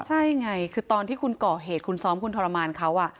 ใช่ไงคือตอนที่คุณก่อเหตุคุณซ้อมคุณทรมานเขา